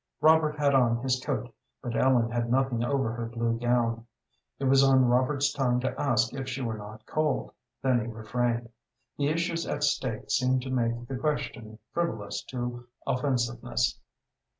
Robert had on his coat, but Ellen had nothing over her blue gown. It was on Robert's tongue to ask if she were not cold, then he refrained. The issues at stake seemed to make the question frivolous to offensiveness.